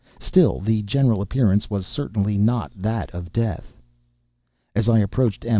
Still, the general appearance was certainly not that of death. As I approached M.